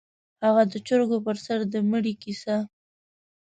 _هغه د چرګو پر سر د مړي کيسه؟